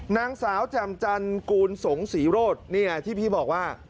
นางสาวแจ่มจันกูลสงศรีโรธเนี่ยที่พี่บอกว่า